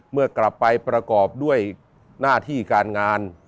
เมื่อกลับไปประกอบด้วยหน้าที่การงาน